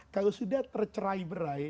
kalau sudah tercerai berai